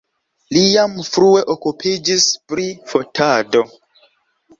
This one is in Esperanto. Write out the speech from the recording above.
Li jam frue okupiĝis pri fotado.